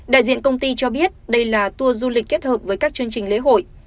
đại diện công ty cho biết đây là tour du lịch kết hợp với các chương trình lễ hội